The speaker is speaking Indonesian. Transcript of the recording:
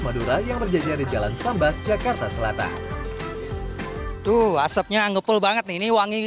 madura yang berjajar di jalan sambas jakarta selatan tuh asapnya angel banget ini wangi